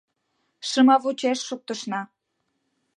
Шымавучеш шуктышна.